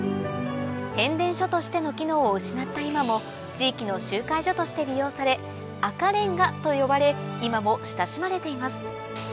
変電所としての機能を失った今も地域の集会所として利用され「赤レンガ」と呼ばれ今も親しまれています